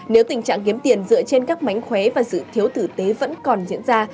nếu tình trạng kiếm tiền dựa trên các mánh khuế và sự thiếu thử tế vẫn còn diễn ra